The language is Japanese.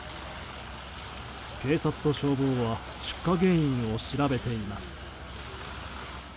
警察と消防は出火原因を調べています。